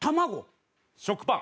食パン。